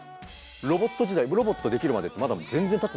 ロボット自体ロボットできるまでってまだ全然たってないんで。